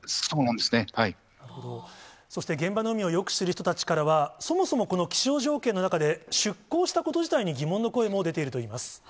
そして現場の海をよく知る人たちからは、そもそもこの気象条件の中で、出港したこと自体に疑問の声も出ているといいます。